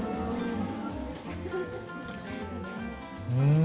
うん！